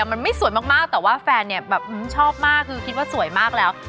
มันไม่สวยมากแต่ว่าแฟนเนี่ยแบบชอบมากคือคิดว่าสวยมากแล้ว